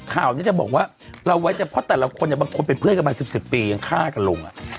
ข่าวนี้จะบอกว่าเราไว้ใจเพราะแต่ละคนเนี่ยบางคนเป็นเพื่อนกันมา๑๐ปียังฆ่ากันลง